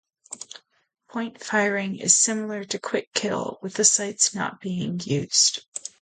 Point firing is similar to quick kill, with the sights not being used.